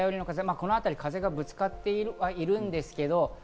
この辺りで風がぶつかっているんですけど。